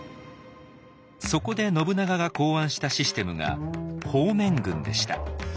そこで信長が考案したシステムが「方面軍」でした。